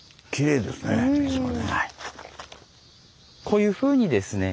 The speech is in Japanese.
こういうふうにですね